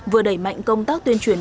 vừa đẩy mạnh công tác tuyên truyền